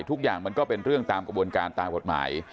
ทุกอย่างมันก็เป็นเรื่องตามกระบวนการตามกฎหมาย